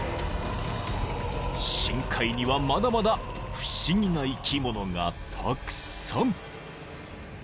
［深海にはまだまだ不思議な生き物がたくさん］